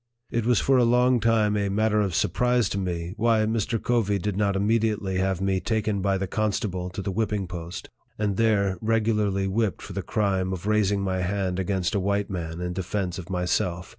It was for a long time a matter of surprise to me why Mr. Covey did not immediately have me taken by the constable to the whipping post, and there regularly whipped for the crime of raising my hand against a white man in defence of myself.